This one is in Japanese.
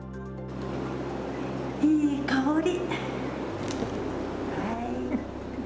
いい香り。